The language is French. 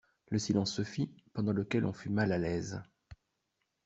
Le silence se fit, pendant lequel on fut mal à l'aise.